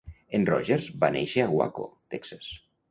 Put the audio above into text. En Rogers va néixer a Waco, Texas.